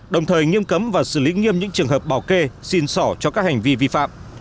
đồng thời nghiêm cấm và xử lý nghiêm những trường hợp bảo kê xin sỏ cho các hành vi vi phạm